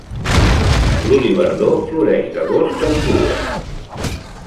L'olivardó floreix d'agost a octubre.